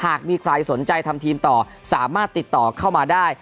หากมีใครสนใจทำทีมต่อสามารถติดต่อเข้ามาได้